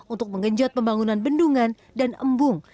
untuk penyelenggaraan air bersih di kawasan pembungan dan embung